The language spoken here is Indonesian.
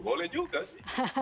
boleh juga sih